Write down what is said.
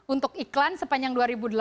untuk iklan sepanjang dua ribu delapan belas